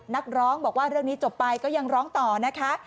นักร้องบอกว่าเรื่องนี้จบไปก็ยังร้องต่อนะคะ